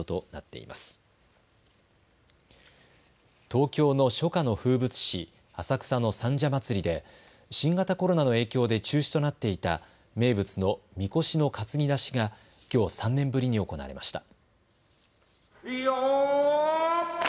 東京の初夏の風物詩、浅草の三社祭で新型コロナの影響で中止となっていた名物のみこしの担ぎ出しがきょう３年ぶりに行われました。